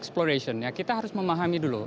deep water exploration kita harus memahami dulu